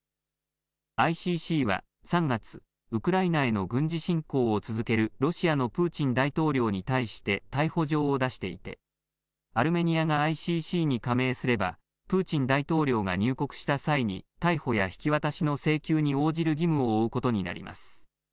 ＩＣＣは３月、ウクライナへの軍事侵攻を続けるロシアのプーチン大統領に対して逮捕状を出していてアルメニアがＩＣＣに加盟すればプーチン大統領が入国した際に逮捕や引き渡しの請求に応じる義務を負うことになります。